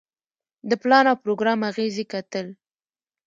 د پلان او پروګرام اغیزې کتل.